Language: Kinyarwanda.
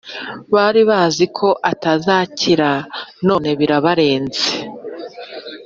Baribaziko atazakira none birabarenze